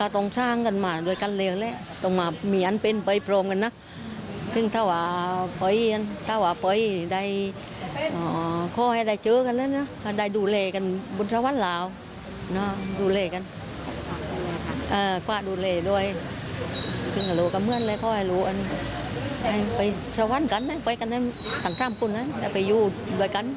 ทั้งท่ามพูดไอ้ไหนไปอยู่ดูด้วยกัน